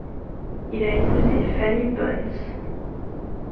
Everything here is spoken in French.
Il a épousé Fanny Pons.